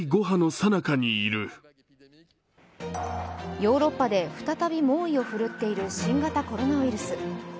ヨーロッパで再び猛威を振るっている新型コロナウイルス。